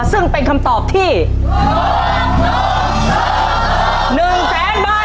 ซึ่งเป็นคำตอบที่หนึ่งแสนบาทจะได้หรือไม่